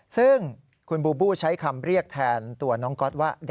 ซึ่งคุณบูบูใช้คำเรียกแทนตัวน้องก๊อตว่า